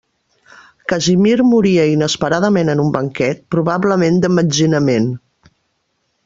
Casimir moria inesperadament en un banquet, probablement d'emmetzinament.